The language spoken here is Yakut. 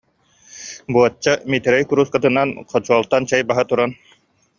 Буочча Миитэрэй куруускатынан хочуолтан чэй баһа туран